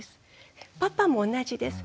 パパも同じです。